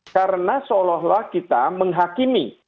karena seolah olah kita menghakimi